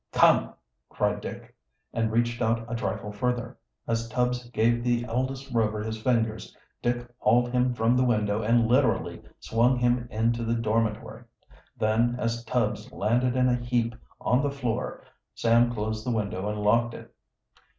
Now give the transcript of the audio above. "Come," cried Dick, and reached out a trifle further. As Tubbs gave the eldest Rover his fingers Dick hauled him from the window and literally swung him into the dormitory. Then, as Tubbs landed in a heap on the floor, Sam closed the window and locked it.